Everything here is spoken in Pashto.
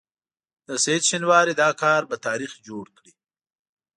د سعید شینواري دا کار به تاریخ جوړ کړي.